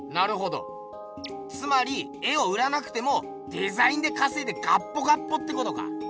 つまり絵を売らなくてもデザインでかせいでガッポガッポってことか。